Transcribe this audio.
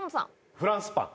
フランスパン。